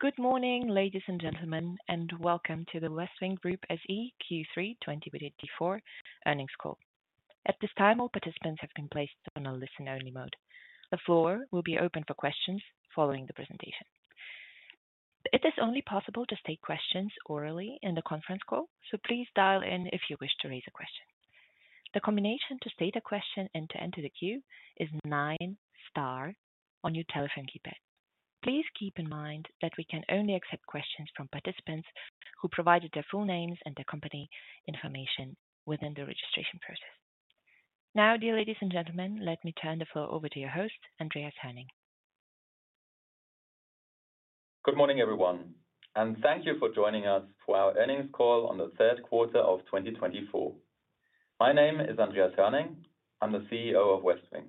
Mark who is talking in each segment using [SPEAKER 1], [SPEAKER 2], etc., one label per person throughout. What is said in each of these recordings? [SPEAKER 1] Good morning, ladies and gentlemen, and welcome to the Westwing Group SE Q3 2024 earnings call. At this time, all participants have been placed on a listen-only mode. The floor will be open for questions following the presentation. It is only possible to state questions orally in the conference call, so please dial in if you wish to raise a question. The combination to state a question and to enter the queue is nine-star on your telephone keypad. Please keep in mind that we can only accept questions from participants who provided their full names and their company information within the registration process. Now, dear ladies and gentlemen, let me turn the floor over to your host, Andreas Hoerning.
[SPEAKER 2] Good morning, everyone, and thank you for joining us for our earnings call on the third quarter of 2024. My name is Andreas Hoerning. I'm the CEO of Westwing.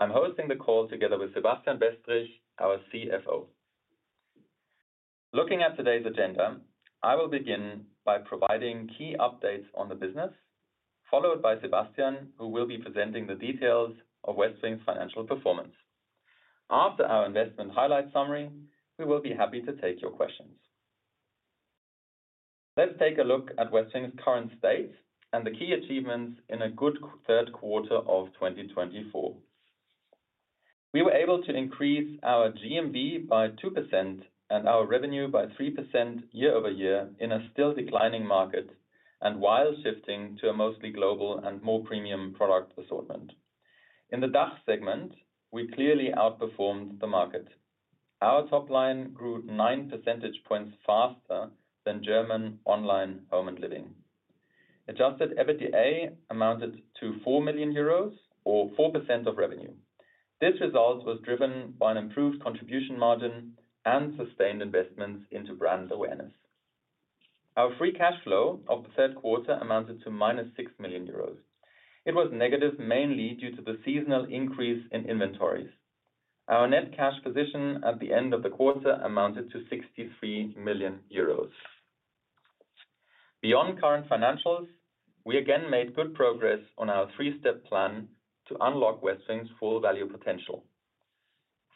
[SPEAKER 2] I'm hosting the call together with Sebastian Westrich, our CFO. Looking at today's agenda, I will begin by providing key updates on the business, followed by Sebastian, who will be presenting the details of Westwing's financial performance. After our investment highlight summary, we will be happy to take your questions. Let's take a look at Westwing's current state and the key achievements in a good third quarter of 2024. We were able to increase our GMV by 2% and our revenue by 3% year-over-year in a still declining market and while shifting to a mostly global and more premium product assortment. In the DACH segment, we clearly outperformed the market. Our top line grew 9 percentage points faster than German online home and living. Adjusted EBITDA amounted to 4 million euros, or 4% of revenue. This result was driven by an improved contribution margin and sustained investments into brand awareness. Our free cash flow of the third quarter amounted to minus 6 million euros. It was negative mainly due to the seasonal increase in inventories. Our net cash position at the end of the quarter amounted to 63 million euros. Beyond current financials, we again made good progress on our three-step plan to unlock Westwing's full value potential.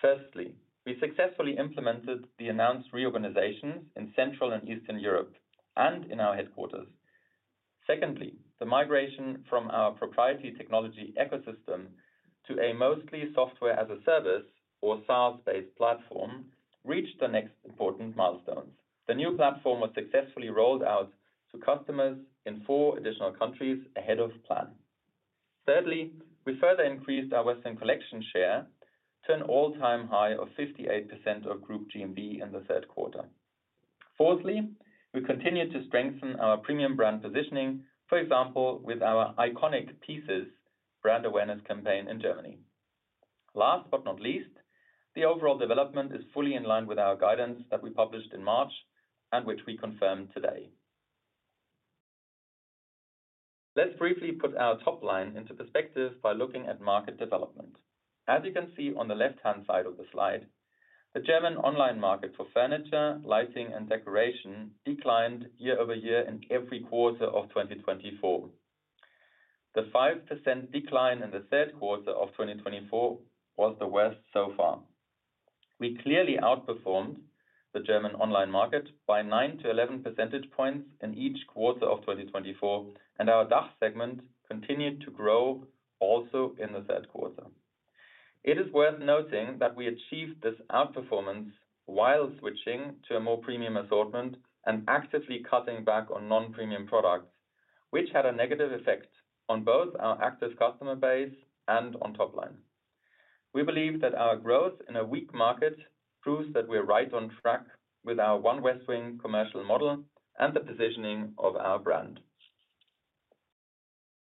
[SPEAKER 2] Firstly, we successfully implemented the announced reorganizations in Central and Eastern Europe and in our headquarters. Secondly, the migration from our proprietary technology ecosystem to a mostly software-as-a-service or SaaS-based platform reached the next important milestones. The new platform was successfully rolled out to customers in four additional countries ahead of plan. Thirdly, we further increased our Westwing Collection share to an all-time high of 58% of group GMV in the third quarter. Fourthly, we continued to strengthen our premium brand positioning, for example, with our Iconic Pieces brand awareness campaign in Germany. Last but not least, the overall development is fully in line with our guidance that we published in March and which we confirmed today. Let's briefly put our top line into perspective by looking at market development. As you can see on the left-hand side of the slide, the German online market for furniture, lighting, and decoration declined year-over-year in every quarter of 2024. The 5% decline in the third quarter of 2024 was the worst so far. We clearly outperformed the German online market by 9%-11% percentage points in each quarter of 2024, and our DACH segment continued to grow also in the third quarter. It is worth noting that we achieved this outperformance while switching to a more premium assortment and actively cutting back on non-premium products, which had a negative effect on both our active customer base and on top line. We believe that our growth in a weak market proves that we're right on track with our One Westwing commercial model and the positioning of our brand.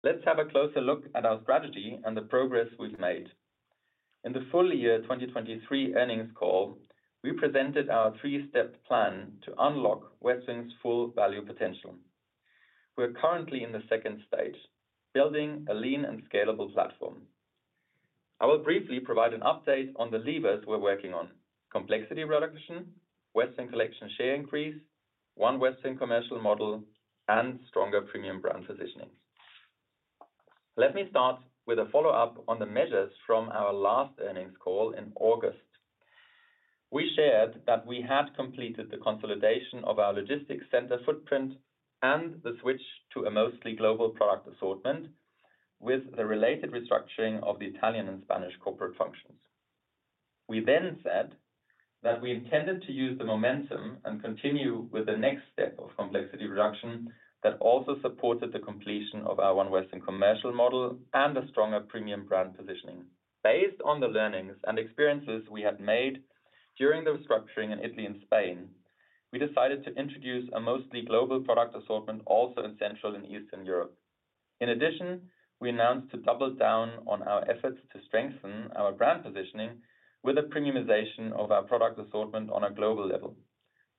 [SPEAKER 2] Let's have a closer look at our strategy and the progress we've made. In the full year 2023 earnings call, we presented our three-step plan to unlock Westwing's full value potential. We're currently in the second stage, building a lean and scalable platform. I will briefly provide an update on the levers we're working on: complexity reduction, Westwing Collection share increase, One Westwing commercial model, and stronger premium brand positioning. Let me start with a follow-up on the measures from our last earnings call in August. We shared that we had completed the consolidation of our logistics center footprint and the switch to a mostly global product assortment with the related restructuring of the Italian and Spanish corporate functions. We then said that we intended to use the momentum and continue with the next step of complexity reduction that also supported the completion of our One Westwing commercial model and a stronger premium brand positioning. Based on the learnings and experiences we had made during the restructuring in Italy and Spain, we decided to introduce a mostly global product assortment also in Central and Eastern Europe. In addition, we announced to double down on our efforts to strengthen our brand positioning with a premiumization of our product assortment on a global level.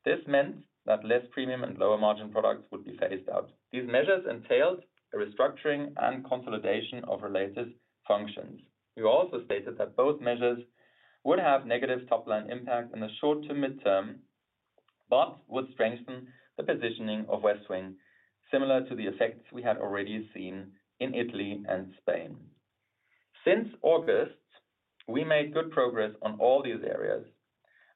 [SPEAKER 2] This meant that less premium and lower margin products would be phased out. These measures entailed a restructuring and consolidation of related functions. We also stated that both measures would have negative top line impact in the short to midterm, but would strengthen the positioning of Westwing, similar to the effects we had already seen in Italy and Spain. Since August, we made good progress on all these areas,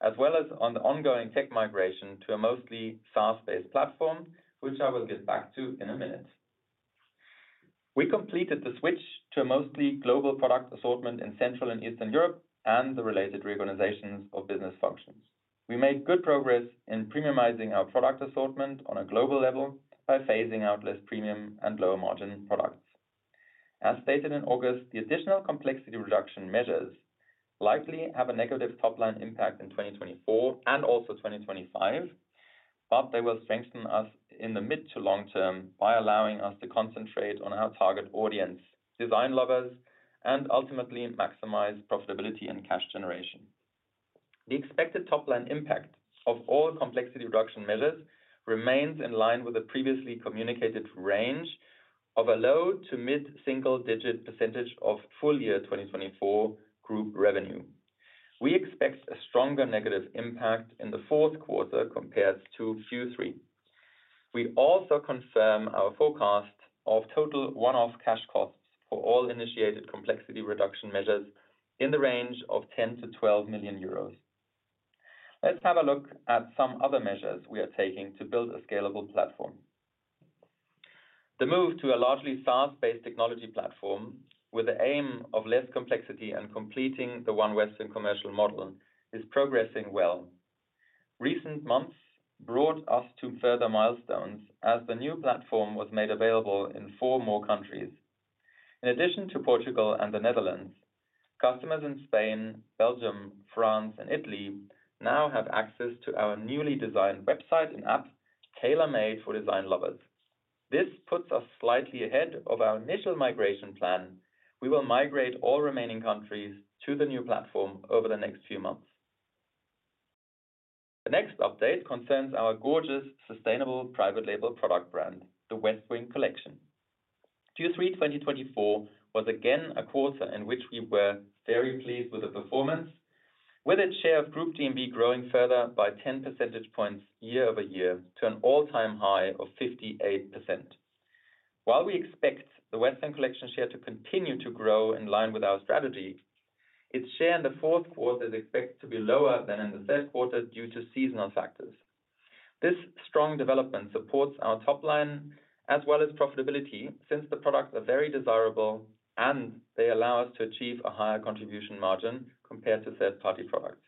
[SPEAKER 2] as well as on the ongoing tech migration to a mostly SaaS-based platform, which I will get back to in a minute. We completed the switch to a mostly global product assortment in Central and Eastern Europe and the related reorganizations of business functions. We made good progress in premiumizing our product assortment on a global level by phasing out less premium and lower margin products. As stated in August, the additional complexity reduction measures likely have a negative top line impact in 2024 and also 2025, but they will strengthen us in the mid to long term by allowing us to concentrate on our target audience, design lovers, and ultimately maximize profitability and cash generation. The expected top line impact of all complexity reduction measures remains in line with the previously communicated range of a low- to mid-single-digit % of full year 2024 group revenue. We expect a stronger negative impact in the fourth quarter compared to Q3. We also confirm our forecast of total one-off cash costs for all initiated complexity reduction measures in the range of 10-12 million euros. Let's have a look at some other measures we are taking to build a scalable platform. The move to a largely SaaS-based technology platform with the aim of less complexity and completing the One Westwing commercial model is progressing well. Recent months brought us to further milestones as the new platform was made available in four more countries. In addition to Portugal and the Netherlands, customers in Spain, Belgium, France, and Italy now have access to our newly designed website and app tailor-made for design lovers. This puts us slightly ahead of our initial migration plan. We will migrate all remaining countries to the new platform over the next few months. The next update concerns our gorgeous sustainable private label product brand, the Westwing Collection. Q3 2024 was again a quarter in which we were very pleased with the performance, with its share of group GMV growing further by 10 percentage points year-over-year to an all-time high of 58%. While we expect the Westwing Collection share to continue to grow in line with our strategy, its share in the fourth quarter is expected to be lower than in the third quarter due to seasonal factors. This strong development supports our top line as well as profitability since the products are very desirable and they allow us to achieve a higher contribution margin compared to third-party products.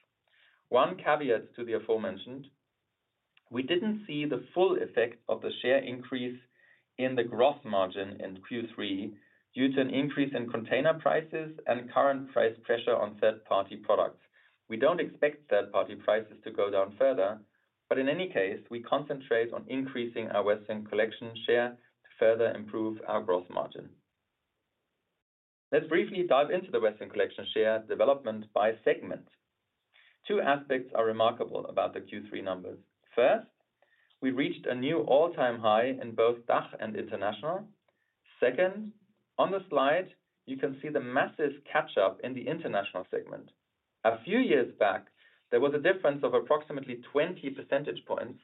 [SPEAKER 2] One caveat to the aforementioned, we didn't see the full effect of the share increase in the gross margin in Q3 due to an increase in container prices and current price pressure on third-party products. We don't expect third-party prices to go down further, but in any case, we concentrate on increasing our Westwing Collection share to further improve our gross margin. Let's briefly dive into the Westwing Collection share development by segment. Two aspects are remarkable about the Q3 numbers. First, we reached a new all-time high in both DACH and international. Second, on the slide, you can see the massive catch-up in the international segment. A few years back, there was a difference of approximately 20 percentage points,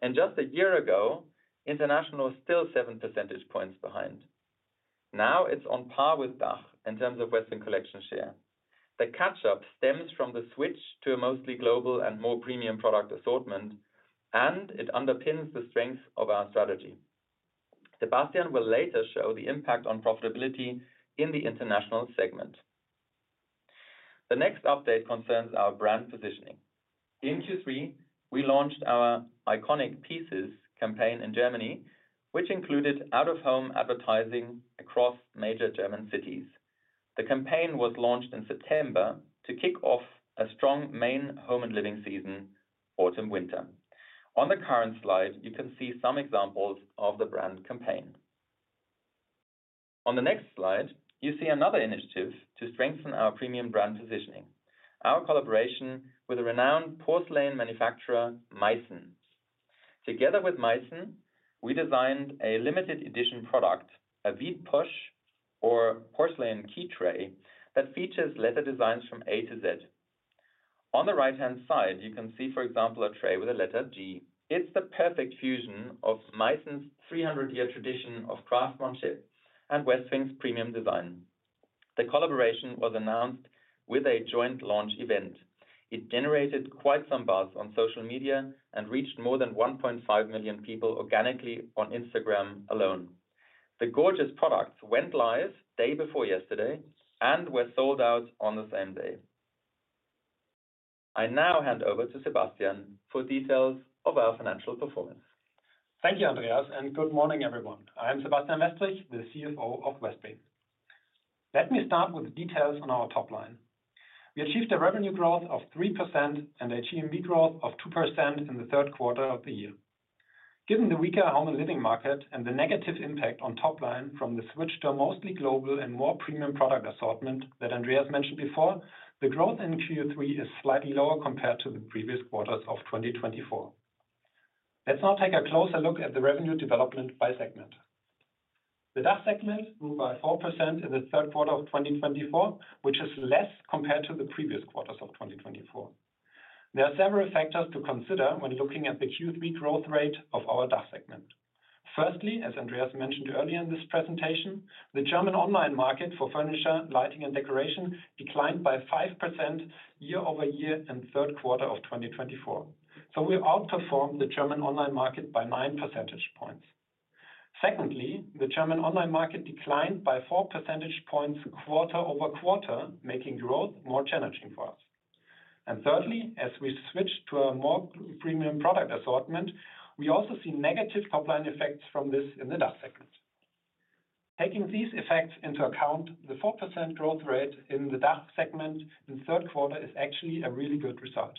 [SPEAKER 2] and just a year ago, international was still 7 percentage points behind. Now it's on par with DACH in terms of Westwing Collection share. The catch-up stems from the switch to a mostly global and more premium product assortment, and it underpins the strength of our strategy. Sebastian will later show the impact on profitability in the international segment. The next update concerns our brand positioning. In Q3, we launched our iconic pieces campaign in Germany, which included out-of-home advertising across major German cities. The campaign was launched in September to kick off a strong main home and living season, autumn-winter. On the current slide, you can see some examples of the brand campaign. On the next slide, you see another initiative to strengthen our premium brand positioning, our collaboration with a renowned porcelain manufacturer, Meissen. Together with Meissen, we designed a limited edition product, a Vide-poche or porcelain key tray that features letter designs from A to Z. On the right-hand side, you can see, for example, a tray with a letter G. It's the perfect fusion of Meissen's 300-year tradition of craftsmanship and Westwing's premium design. The collaboration was announced with a joint launch event. It generated quite some buzz on social media and reached more than 1.5 million people organically on Instagram alone. The gorgeous products went live day before yesterday and were sold out on the same day. I now hand over to Sebastian for details of our financial performance.
[SPEAKER 3] Thank you, Andreas, and good morning, everyone. I am Sebastian Westrich, the CFO of Westwing. Let me start with the details on our top line. We achieved a revenue growth of 3% and a GMV growth of 2% in the third quarter of the year. Given the weaker home and living market and the negative impact on top line from the switch to a mostly global and more premium product assortment that Andreas mentioned before, the growth in Q3 is slightly lower compared to the previous quarters of 2024. Let's now take a closer look at the revenue development by segment. The DACH segment grew by 4% in the third quarter of 2024, which is less compared to the previous quarters of 2024. There are several factors to consider when looking at the Q3 growth rate of our DACH segment. Firstly, as Andreas mentioned earlier in this presentation, the German online market for furniture, lighting, and decoration declined by 5% year-over-year in the third quarter of 2024. So we outperformed the German online market by 9 percentage points. Secondly, the German online market declined by 4 percentage points quarter over quarter, making growth more challenging for us. And thirdly, as we switched to a more premium product assortment, we also see negative top line effects from this in the DACH segment. Taking these effects into account, the 4% growth rate in the DACH segment in the third quarter is actually a really good result.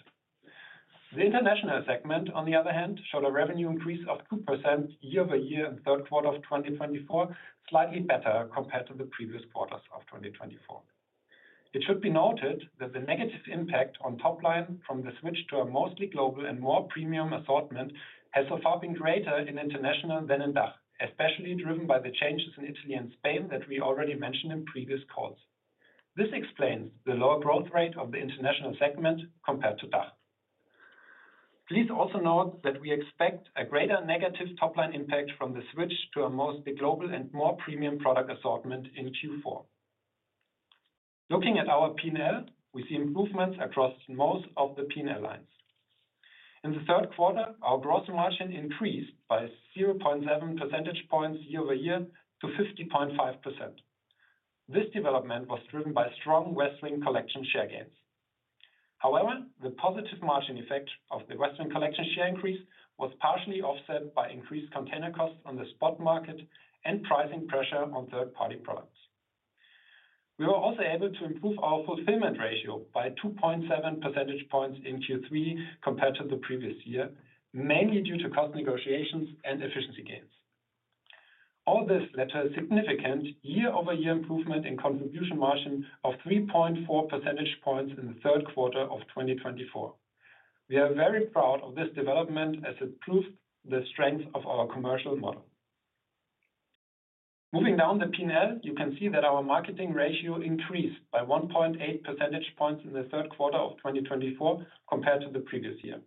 [SPEAKER 3] The international segment, on the other hand, showed a revenue increase of 2% year-over-year in the third quarter of 2024, slightly better compared to the previous quarters of 2024. It should be noted that the negative impact on top line from the switch to a mostly global and more premium assortment has so far been greater in international than in DACH, especially driven by the changes in Italy and Spain that we already mentioned in previous calls. This explains the lower growth rate of the international segment compared to DACH. Please also note that we expect a greater negative top line impact from the switch to a mostly global and more premium product assortment in Q4. Looking at our P&L, we see improvements across most of the P&L lines. In the third quarter, our gross margin increased by 0.7 percentage points year-over-year to 50.5%. This development was driven by strong Westwing Collection share gains. However, the positive margin effect of the Westwing Collection share increase was partially offset by increased container costs on the spot market and pricing pressure on third-party products. We were also able to improve our fulfillment ratio by 2.7 percentage points in Q3 compared to the previous year, mainly due to cost negotiations and efficiency gains. All this led to a significant year-over-year improvement in Contribution Margin of 3.4 percentage points in the third quarter of 2024. We are very proud of this development as it proved the strength of our commercial model. Moving down the P&L, you can see that our marketing ratio increased by 1.8 percentage points in the third quarter of 2024 compared to the previous year.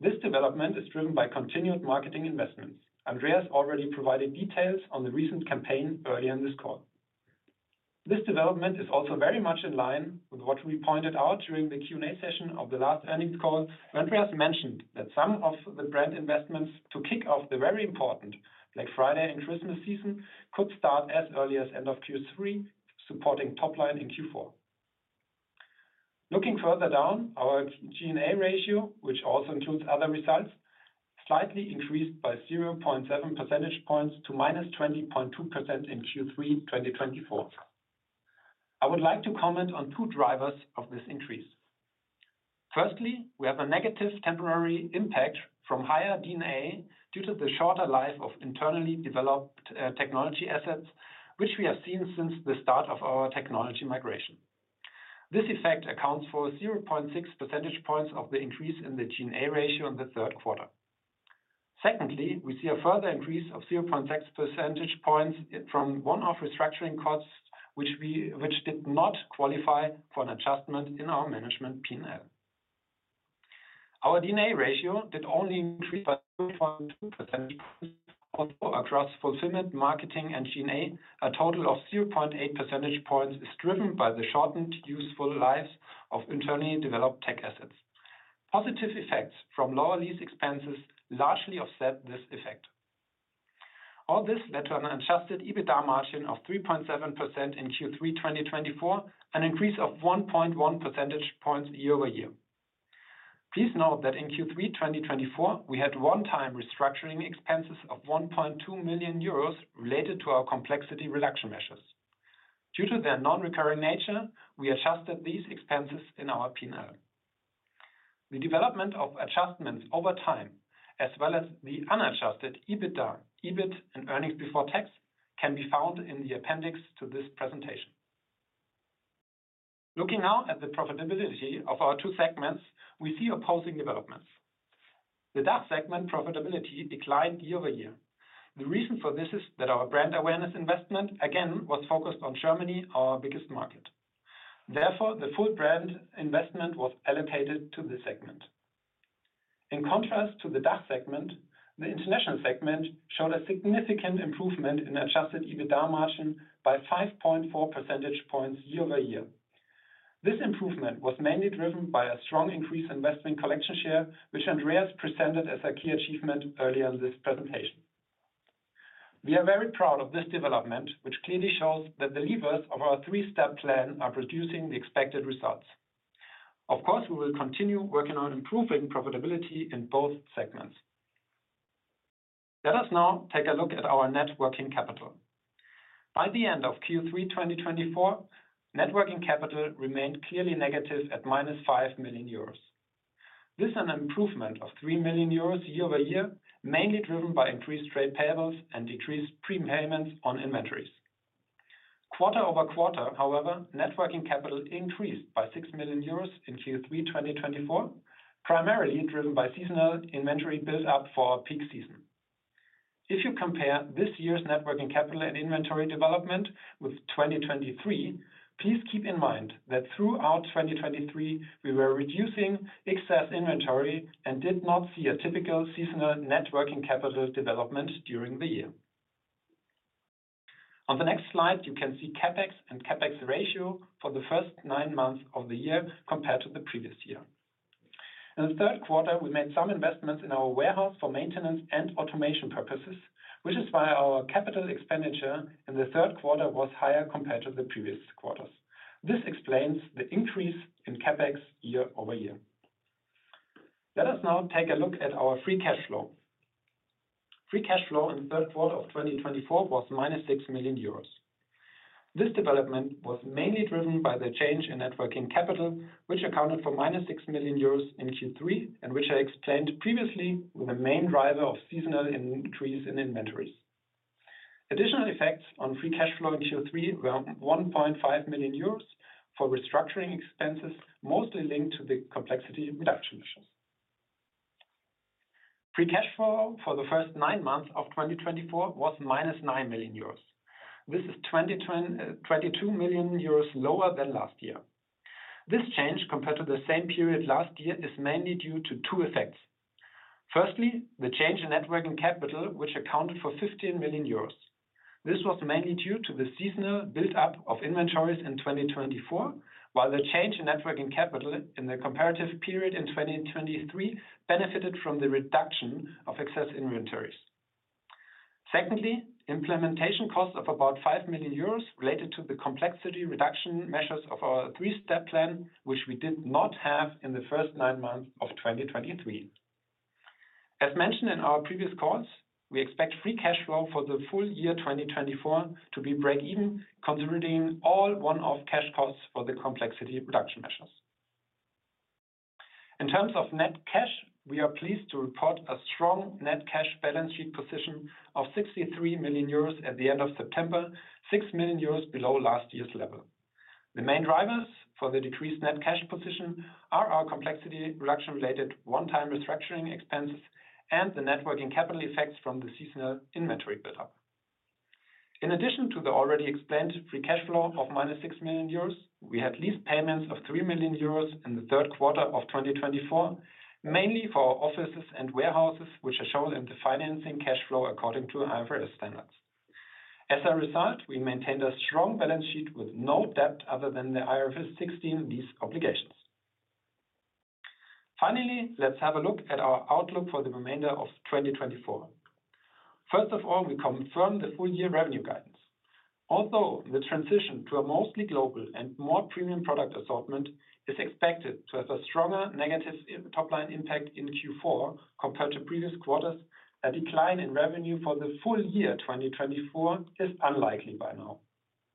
[SPEAKER 3] This development is driven by continued marketing investments. Andreas already provided details on the recent campaign earlier in this call. This development is also very much in line with what we pointed out during the Q&A session of the last earnings call, when Andreas mentioned that some of the brand investments to kick off the very important Black Friday and Christmas season could start as early as end of Q3, supporting top line in Q4. Looking further down, our G&A ratio, which also includes other results, slightly increased by 0.7 percentage points to minus 20.2% in Q3 2024. I would like to comment on two drivers of this increase. Firstly, we have a negative temporary impact from higher D&A due to the shorter life of internally developed technology assets, which we have seen since the start of our technology migration. This effect accounts for 0.6 percentage points of the increase in the G&A ratio in the third quarter. Secondly, we see a further increase of 0.6 percentage points from one-off restructuring costs, which did not qualify for an adjustment in our management P&L. Our D&A ratio did only increase by 0.2 percentage points. Across fulfillment, marketing, and G&A, a total of 0.8 percentage points is driven by the shortened useful lives of internally developed tech assets. Positive effects from lower lease expenses largely offset this effect. All this led to an adjusted EBITDA margin of 3.7% in Q3 2024, an increase of 1.1 percentage points year-over-year. Please note that in Q3 2024, we had one-time restructuring expenses of 1.2 million euros related to our complexity reduction measures. Due to their non-recurring nature, we adjusted these expenses in our P&L. The development of adjustments over time, as well as the unadjusted EBITDA, EBIT, and earnings before tax, can be found in the appendix to this presentation. Looking now at the profitability of our two segments, we see opposing developments. The DACH segment profitability declined year-over-year. The reason for this is that our brand awareness investment again was focused on Germany, our biggest market. Therefore, the full brand investment was allocated to this segment. In contrast to the DACH segment, the international segment showed a significant improvement in adjusted EBITDA margin by 5.4 percentage points year-over-year. This improvement was mainly driven by a strong increase in Westwing Collection share, which Andreas presented as a key achievement earlier in this presentation. We are very proud of this development, which clearly shows that the levers of our three-step plan are producing the expected results. Of course, we will continue working on improving profitability in both segments. Let us now take a look at our net working capital. By the end of Q3 2024, Net Working Capital remained clearly negative at minus 5 million euros. This is an improvement of 3 million euros year-over-year, mainly driven by increased trade payables and decreased prepayments on inventories. Quarter over quarter, however, Net Working Capital increased by 6 million euros in Q3 2024, primarily driven by seasonal inventory build-up for our peak season. If you compare this year's Net Working Capital and inventory development with 2023, please keep in mind that throughout 2023, we were reducing excess inventory and did not see a typical seasonal Net Working Capital development during the year. On the next slide, you can see CapEx and CapEx ratio for the first nine months of the year compared to the previous year. In the third quarter, we made some investments in our warehouse for maintenance and automation purposes, which is why our capital expenditure in the third quarter was higher compared to the previous quarters. This explains the increase in CapEx year-over-year. Let us now take a look at our free cash flow. Free cash flow in the third quarter of 2024 was minus 6 million euros. This development was mainly driven by the change in net working capital, which accounted for minus 6 million euros in Q3, and which I explained previously with a main driver of seasonal increase in inventories. Additional effects on free cash flow in Q3 were 1.5 million euros for restructuring expenses, mostly linked to the complexity reduction measures. Free cash flow for the first nine months of 2024 was minus 9 million euros. This is 22 million euros lower than last year. This change compared to the same period last year is mainly due to two effects. Firstly, the change in net working capital, which accounted for 15 million euros. This was mainly due to the seasonal build-up of inventories in 2024, while the change in net working capital in the comparative period in 2023 benefited from the reduction of excess inventories. Secondly, implementation costs of about 5 million euros related to the complexity reduction measures of our three-step plan, which we did not have in the first nine months of 2023. As mentioned in our previous calls, we expect free cash flow for the full year 2024 to be break-even, considering all one-off cash costs for the complexity reduction measures. In terms of net cash, we are pleased to report a strong net cash balance sheet position of 63 million euros at the end of September, 6 million euros below last year's level. The main drivers for the decreased net cash position are our complexity reduction-related one-time restructuring expenses and the net working capital effects from the seasonal inventory build-up. In addition to the already explained free cash flow of -6 million euros, we had lease payments of 3 million euros in the third quarter of 2024, mainly for our offices and warehouses, which are shown in the financing cash flow according to IFRS standards. As a result, we maintained a strong balance sheet with no debt other than the IFRS 16 lease obligations. Finally, let's have a look at our outlook for the remainder of 2024. First of all, we confirm the full-year revenue guidance. Although the transition to a mostly global and more premium product assortment is expected to have a stronger negative top line impact in Q4 compared to previous quarters, a decline in revenue for the full year 2024 is unlikely by now.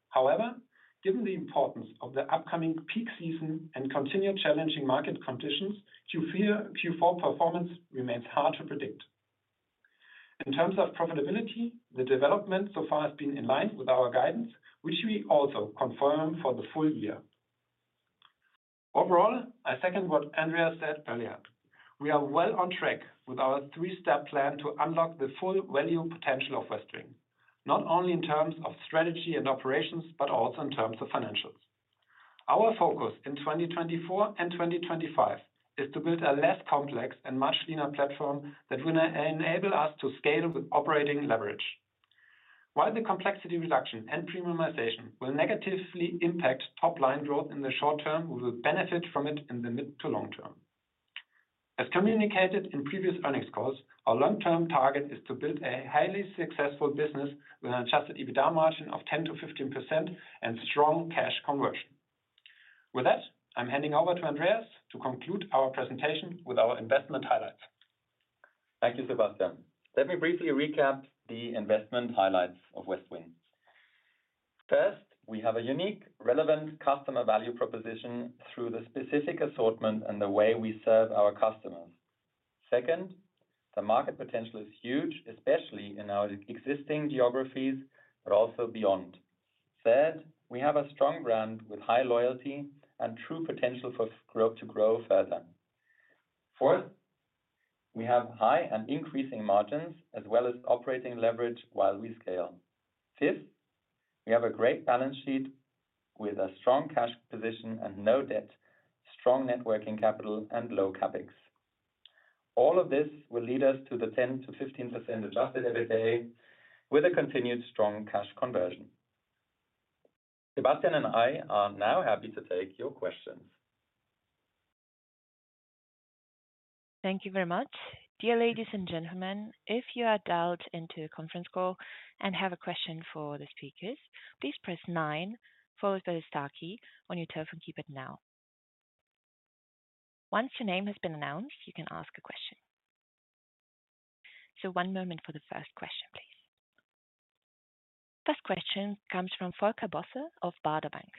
[SPEAKER 3] However, given the importance of the upcoming peak season and continued challenging market conditions, Q4 performance remains hard to predict. In terms of profitability, the development so far has been in line with our guidance, which we also confirm for the full year. Overall, I second what Andreas said earlier. We are well on track with our three-step plan to unlock the full value potential of Westwing, not only in terms of strategy and operations, but also in terms of financials. Our focus in 2024 and 2025 is to build a less complex and much leaner platform that will enable us to scale with operating leverage. While the complexity reduction and premiumization will negatively impact top line growth in the short term, we will benefit from it in the mid to long term. As communicated in previous earnings calls, our long-term target is to build a highly successful business with an Adjusted EBITDA margin of 10%-15% and strong cash conversion. With that, I'm handing over to Andreas to conclude our presentation with our investment highlights.
[SPEAKER 2] Thank you, Sebastian. Let me briefly recap the investment highlights of Westwing. First, we have a unique, relevant customer value proposition through the specific assortment and the way we serve our customers. Second, the market potential is huge, especially in our existing geographies, but also beyond. Third, we have a strong brand with high loyalty and true potential for growth to grow further. Fourth, we have high and increasing margins as well as operating leverage while we scale. Fifth, we have a great balance sheet with a strong cash position and no debt, strong net working capital, and low CapEx. All of this will lead us to the 10%-15% Adjusted EBITDA with a continued strong cash conversion. Sebastian and I are now happy to take your questions.
[SPEAKER 1] Thank you very much. Dear ladies and gentlemen, if you are dialed into a conference call and have a question for the speakers, please press nine, followed by the star key on your telephone keypad now. Once your name has been announced, you can ask a question. So one moment for the first question, please. The first question comes from Volker Bosse of Baader Bank.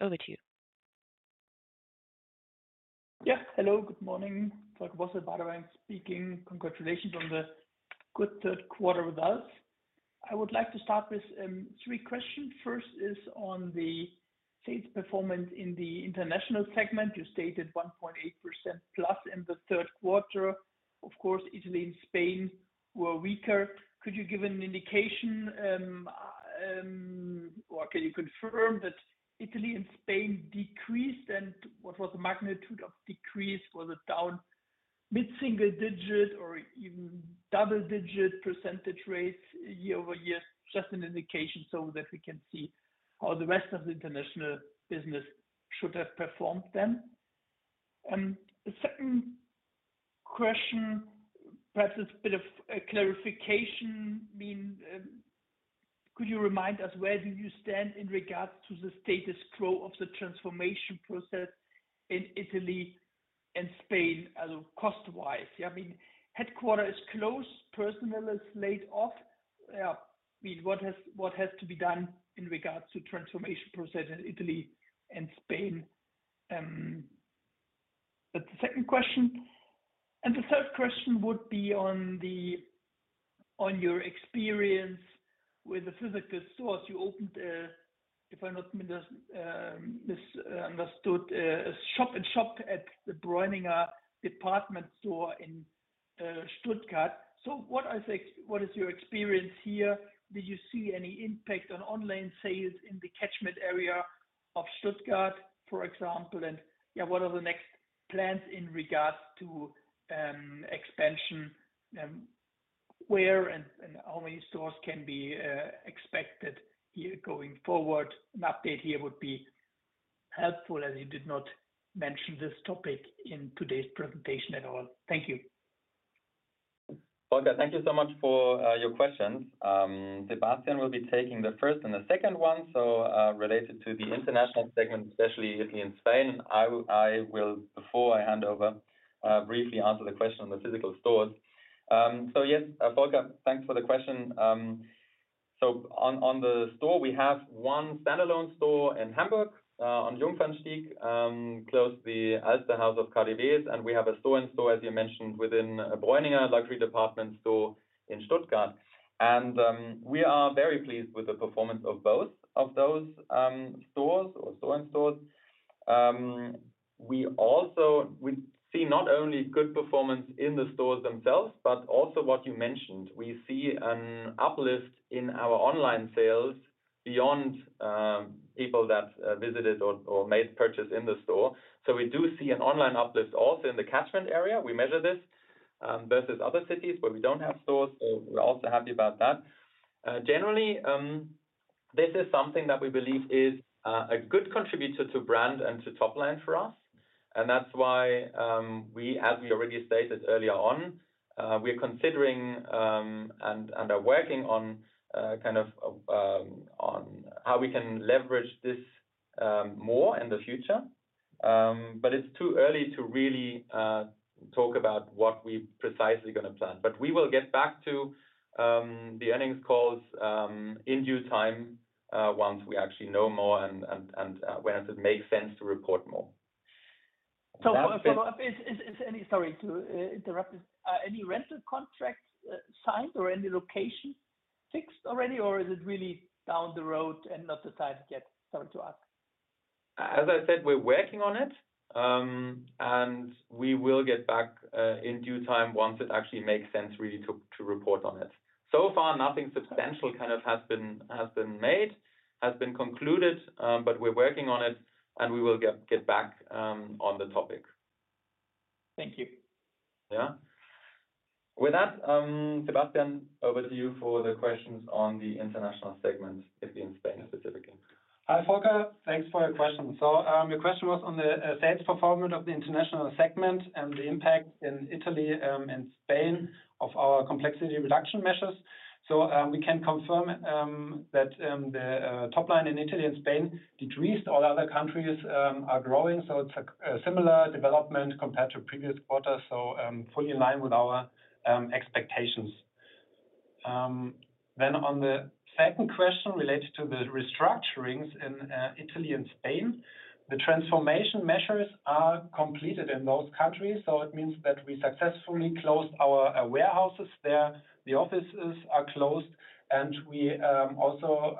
[SPEAKER 1] Over to you.
[SPEAKER 4] Yeah, hello, good morning. Volker Bosse, Baader Bank speaking. Congratulations on the good third quarter with us. I would like to start with three questions. First is on the sales performance in the international segment. You stated 1.8% plus in the third quarter. Of course, Italy and Spain were weaker. Could you give an indication, or can you confirm that Italy and Spain decreased, and what was the magnitude of decrease? Was it down mid-single digit or even double-digit percentage rates year-over-year? Just an indication so that we can see how the rest of the international business should have performed then. The second question, perhaps a bit of clarification, could you remind us where do you stand in regards to the status quo of the transformation process in Italy and Spain, cost-wise? I mean, headquarters is closed, personnel is laid off. What has to be done in regards to the transformation process in Italy and Spain? That's the second question. And the third question would be on your experience with the physical stores. You opened, if I'm not misunderstood, a shop-in-shop at the Breuninger department store in Stuttgart. So what is your experience here? Did you see any impact on online sales in the catchment area of Stuttgart, for example? And what are the next plans in regards to expansion? Where and how many stores can be expected going forward? An update here would be helpful, as you did not mention this topic in today's presentation at all. Thank you.
[SPEAKER 5] Volker, thank you so much for your questions. Sebastian will be taking the first and the second one, so related to the international segment, especially Italy and Spain. I will, before I hand over, briefly answer the question on the physical stores. So yes, Volker, thanks for the question. On the store, we have one standalone store in Hamburg on Jungfernstieg, close to the Alsterhaus or KaDeWe, and we have a store-in-store, as you mentioned, within Breuninger luxury department store in Stuttgart. We are very pleased with the performance of both of those stores or store-in-stores. We see not only good performance in the stores themselves, but also what you mentioned. We see an uplift in our online sales beyond people that visited or made purchases in the store. We do see an online uplift also in the catchment area. We measure this versus other cities where we do not have stores. We are also happy about that. Generally, this is something that we believe is a good contributor to brand and to top line for us. That's why, as we already stated earlier on, we're considering and are working on how we can leverage this more in the future. It's too early to really talk about what we're precisely going to plan. We will get back to the earnings calls in due time once we actually know more and when it makes sense to report more. Sorry to interrupt. Any rental contract signed or any location fixed already, or is it really down the road and not decided yet? Sorry to ask. As I said, we're working on it, and we will get back in due time once it actually makes sense really to report on it. So far, nothing substantial has been made, has been concluded, but we're working on it, and we will get back on the topic. Thank you. Yeah. With that, Sebastian, over to you for the questions on the international segment, Italy and Spain specifically.
[SPEAKER 3] Hi, Volker. Thanks for your question. So your question was on the sales performance of the international segment and the impact in Italy and Spain of our complexity reduction measures. So we can confirm that the top line in Italy and Spain decreased. All other countries are growing. So it's a similar development compared to previous quarters, so fully in line with our expectations. Then on the second question related to the restructurings in Italy and Spain, the transformation measures are completed in those countries. So it means that we successfully closed our warehouses there. The offices are closed, and we also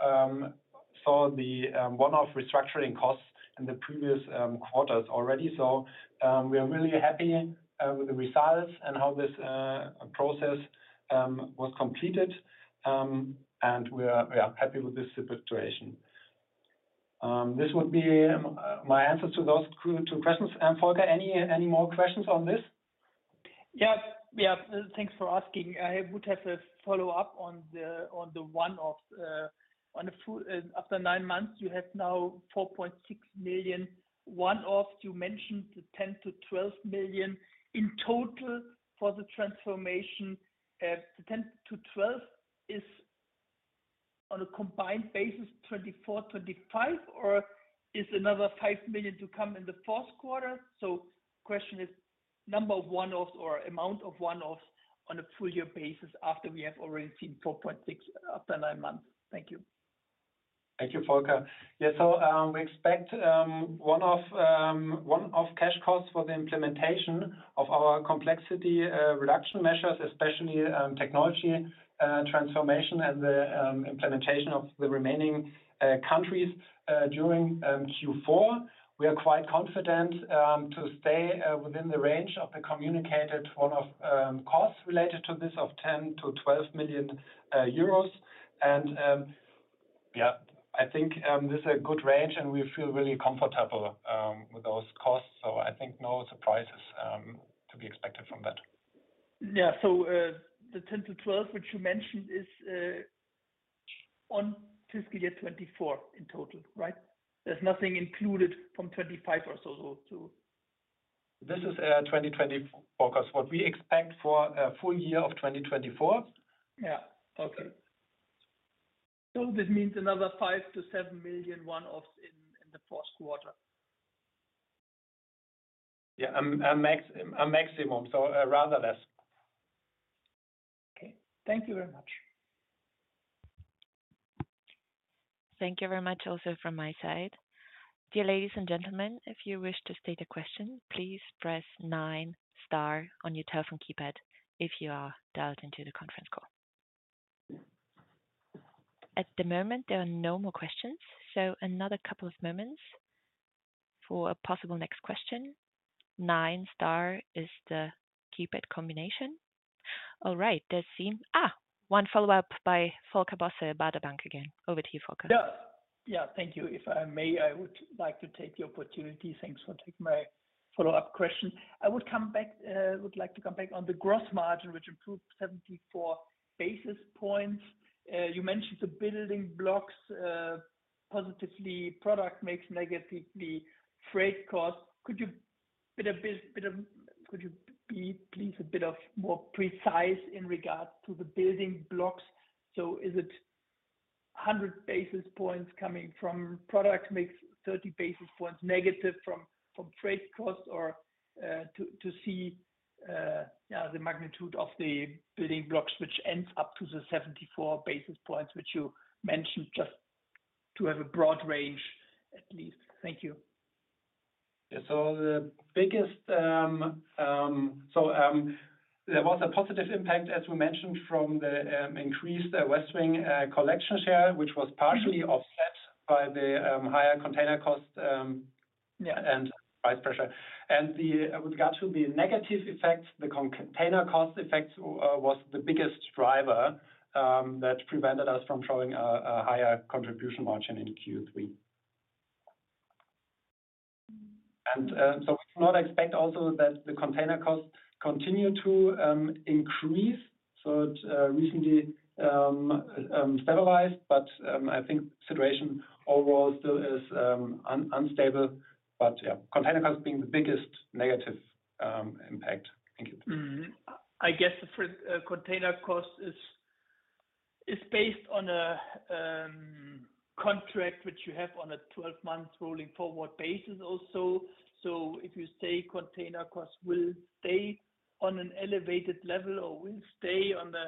[SPEAKER 3] saw the one-off restructuring costs in the previous quarters already. So we are really happy with the results and how this process was completed, and we are happy with this situation. This would be my answer to those two questions. Volker, any more questions on this?
[SPEAKER 4] Yeah, thanks for asking. I would have a follow-up on the one-off. After nine months, you have now 4.6 million one-off. You mentioned 10–12 million in total for the transformation. 10-12 is on a combined basis 24, 25, or is another 5 million to come in the fourth quarter? So the question is number of one-offs or amount of one-offs on a full-year basis after we have already seen 4.6 million after nine months. Thank you.
[SPEAKER 3] Thank you, Volker. Yeah, so we expect one-off cash costs for the implementation of our complexity reduction measures, especially technology transformation and the implementation of the remaining countries during Q4. We are quite confident to stay within the range of the communicated one-off costs related to this of 10-12 million euros. Yeah, I think this is a good range, and we feel really comfortable with those costs. So I think no surprises to be expected from that.
[SPEAKER 4] Yeah, so the 10–12, which you mentioned, is on fiscal year 2024 in total, right? There's nothing included from 2025 or so to.
[SPEAKER 3] This is 2024, because what we expect for a full year of 2024.
[SPEAKER 4] Yeah, okay. So this means another 5–7 million one-offs in the fourth quarter.
[SPEAKER 3] Yeah, a maximum, so rather less.
[SPEAKER 4] Okay, thank you very much.
[SPEAKER 1] Thank you very much also from my side. Dear ladies and gentlemen, if you wish to state a question, please press nine, star on your telephone keypad if you are dialed into the conference call. At the moment, there are no more questions, so another couple of moments for a possible next question. nine, star is the keypad combination. All right, there seems one follow-up by Volker Bosse, Baader Bank again. Over to you, Volker.
[SPEAKER 4] Yeah, thank you. If I may, I would like to take the opportunity. Thanks for taking my follow-up question. I would like to come back on the gross margin, which improved 74 basis points. You mentioned the building blocks positively, product mix negatively, freight costs. Could you please be a bit more precise in regards to the building blocks? So is it 100 basis points coming from product mix 30 basis points negative from freight costs or to see the magnitude of the building blocks, which ends up to the 74 basis points, which you mentioned just to have a broad range at least? Thank you.
[SPEAKER 3] So the biggest. So there was a positive impact, as we mentioned, from the increased Westwing Collection share, which was partially offset by the higher container cost and price pressure. And with regard to the negative effects, the container cost effects was the biggest driver that prevented us from showing a higher contribution margin in Q3. And so we do not expect also that the container costs continue to increase. So it recently stabilized, but I think the situation overall still is unstable. But yeah, container costs being the biggest negative impact. Thank you.
[SPEAKER 4] I guess the container cost is based on a contract, which you have on a 12-month rolling forward basis also. So if you say container costs will stay on an elevated level or will stay on the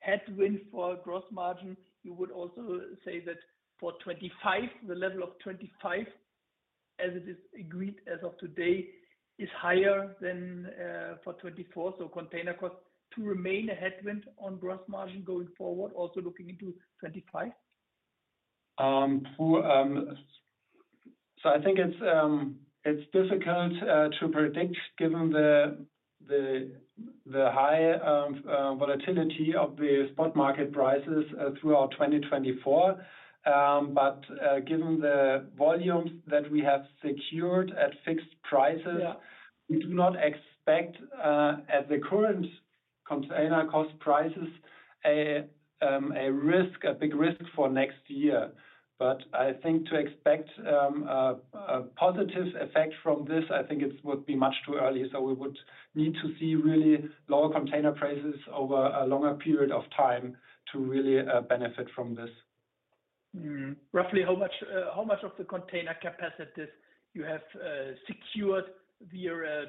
[SPEAKER 4] headwind for gross margin, you would also say that for 2025, the level of 2025, as it is agreed as of today, is higher than for 2024. So container costs to remain a headwind on gross margin going forward, also looking into 2025?
[SPEAKER 3] So I think it's difficult to predict given the high volatility of the spot market prices throughout 2024. But given the volumes that we have secured at fixed prices, we do not expect at the current container cost prices a big risk for next year. But I think to expect a positive effect from this, I think it would be much too early. So we would need to see really lower container prices over a longer period of time to really benefit from this.
[SPEAKER 4] Roughly how much of the container capacity you have secured via a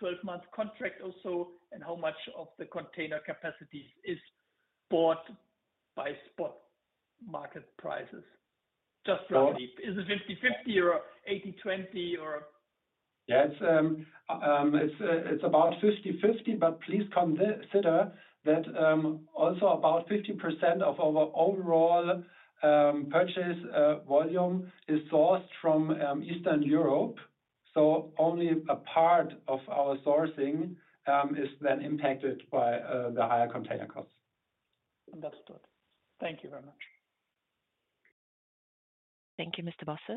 [SPEAKER 4] 12-month contract also, and how much of the container capacity is bought by spot market prices? Just roughly. Is it 50-50 or 80-20 or?
[SPEAKER 3] Yeah, it's about 50-50, but please consider that also about 50% of our overall purchase volume is sourced from Eastern Europe. So only a part of our sourcing is then impacted by the higher container costs.
[SPEAKER 4] Understood. Thank you very much. Thank you, Mr. Bosse.